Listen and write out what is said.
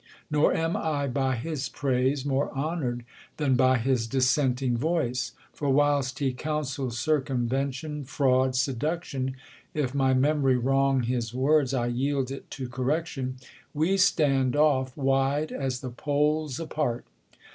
Nor am I by his praise More honor'd than by his dissenting voice : For whilst he counsels circumvention, fraud, Seduction, (if my memory wrong his words I yield ft to correction) we stand off, Wide as the poles apart.